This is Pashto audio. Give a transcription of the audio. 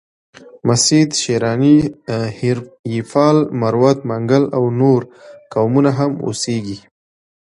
مسید، شیراني، هیریپال، مروت، منگل او نور قومونه هم اوسیږي.